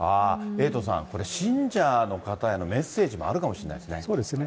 エイトさん、これ、信者の方へのメッセージもあるかもしれなそうですね。